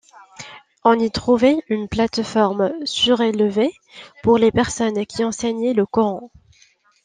On y trouvait une plateforme surélevée pour les personnes qui enseignaient le Coran.